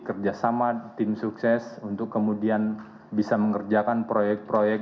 kerjasama tim sukses untuk kemudian bisa mengerjakan proyek proyek